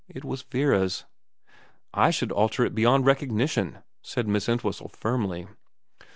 It was Vera's.' ' I should alter it beyond recognition,' said Miss Entwhistle firmly.